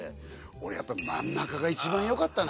俺やっぱ真ん中が一番よかったな。